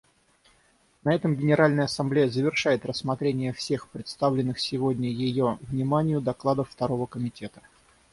На этом Генеральная Ассамблея завершает рассмотрение всех представленных сегодня ее вниманию докладов Второго комитета.